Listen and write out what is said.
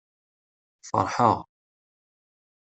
Feṛḥeɣ!